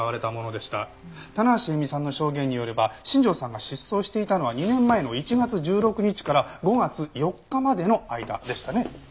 棚橋詠美さんの証言によれば新庄さんが失踪していたのは２年前の１月１６日から５月４日までの間でしたね。